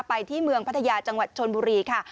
ที่เมืองพัทยาจังหวัดชนบุรีค่ะ